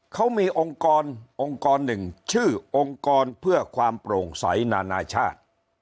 เขามีองค์กรองค์กรหนึ่งชื่อองค์กรเพื่อความโปร่งใสนานาชาติ